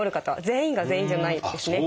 全員が全員じゃないですね。